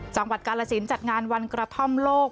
จังหวัดกาลสินจัดงานวันกระท่อมโลก